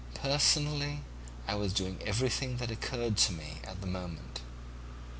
"Personally I was doing everything that occurred to me at the moment.